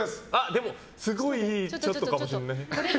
でもすごいいいちょっとかもしれない。